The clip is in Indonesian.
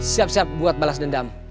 siap siap buat balas dendam